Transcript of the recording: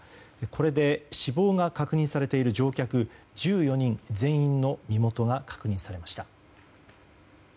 これで死亡が確認されている乗客１４人全員の身元が確認されました。